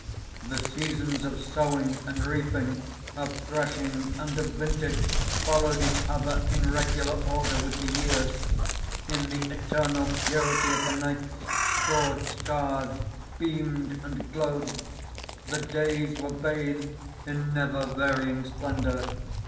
"The seasons of sowing and reaping, of threshing and of vintage, followed each other in regular order with the years. In the eternal purity of the nights, broad stars beamed and glowed. The days were bathed in never varying splendour.